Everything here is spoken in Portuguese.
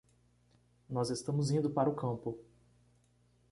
Nós estamos indo para o campo